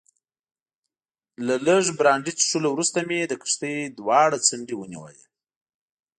له لږ برانډي څښلو وروسته مې د کښتۍ دواړې څنډې ونیولې.